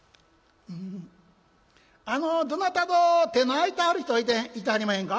あのどなたぞ手の空いたある人はいてはりまへんか？」。